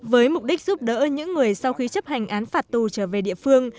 với mục đích giúp đỡ những người sau khi chấp hành án phạt tù trở về địa phương